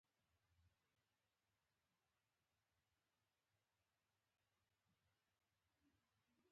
هغه ماشومان بختور دي چې کروندو ته نږدې اوسېږي.